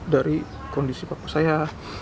dari kondisi bapak saya